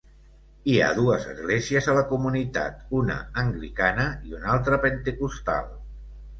Hi ha dues esglésies a la comunitat, una anglicana i una altra pentecostal.